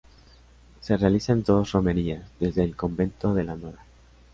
Se realizan dos romerías; desde el convento de Nra.